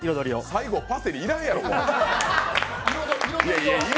最後、パセリ要らんやろ。